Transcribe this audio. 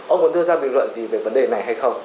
ông có đưa ra bình luận gì về vấn đề này hay không